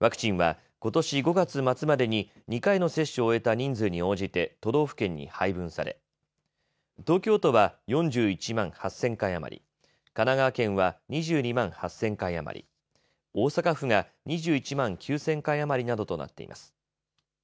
ワクチンは、ことし５月末までに２回の接種を終えた人数に応じて都道府県に配分され東京都は４１万８０００回余り、神奈川県は２２万８０００回余り、大阪府が２１万９０００回余りなどとなっています。